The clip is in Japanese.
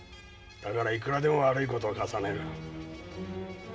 だからいくらでも悪い事を重ねる。